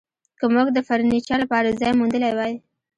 که موږ د فرنیچر لپاره ځای موندلی وای